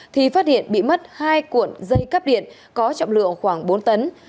thì phát hiện bị mất hai cuộn dây cắp điện có trọng lượng khoảng bốn tấn